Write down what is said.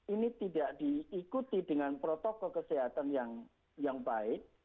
ini tidak diikuti dengan protokol kesehatan yang baik